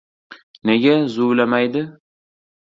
— Nega zuvlamaydi?